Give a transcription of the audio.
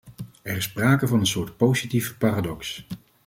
Er is sprake van een soort positieve paradox.